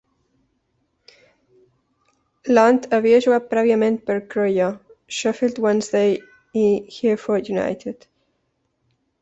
Lunt havia jugat prèviament pel Crewe, Sheffield Wednesday i Hereford United.